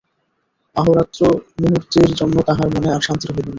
অহোরাত্র মুহূর্তের জন্য তাঁহার মনে আর শান্তি রহিল না।